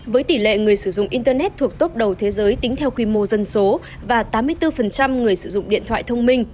với tỷ lệ người sử dụng internet thuộc tốt đầu thế giới tính theo quy mô dân số và tám mươi bốn người sử dụng điện thoại thông minh